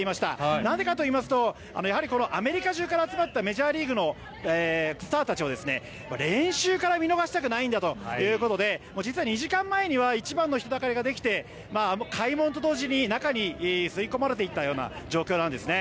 なんでかといいますとやはりアメリカ中から集まったメジャーリーグのスターたちを練習から見逃したくないんだということで実は２時間前には一番の人だかりができて開門と同時に中に吸い込まれていったような状況なんですね。